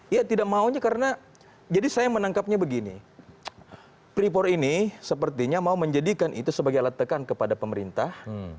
ya tidak maunya karena jadi saya menangkapnya begini freeport ini sepertinya mau menjadikan itu sebagai alat tekan kepada pemerintah